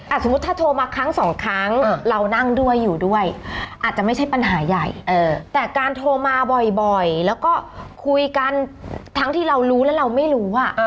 สมมุติถ้าโทรมาครั้งสองครั้งเรานั่งด้วยอยู่ด้วยอาจจะไม่ใช่ปัญหาใหญ่แต่การโทรมาบ่อยแล้วก็คุยกันทั้งที่เรารู้แล้วเราไม่รู้อ่ะ